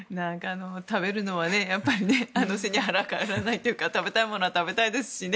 食べるのはやっぱり背に腹は代えられないというか食べたいものは食べたいですしね。